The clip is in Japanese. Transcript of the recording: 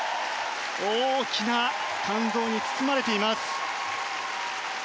大きな感動に包まれています。